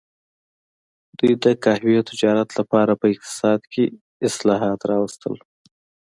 دوی د قهوې تجارت لپاره په اقتصاد کې اصلاحات راوستل.